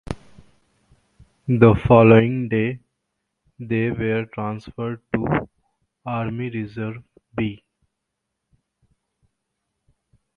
The following day they were transferred to Army Reserve B.